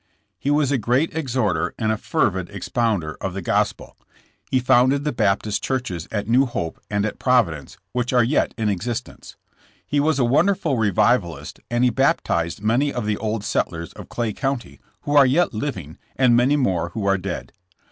He was a great exhorter and a fervid expounder of the Gospel. He founded the Baptist churches at New Hope and at Providence, which are yet in existence, He was a wonderful revivalist and he baptized many of the old settlers of Clay County who are yet living and many more who are dead.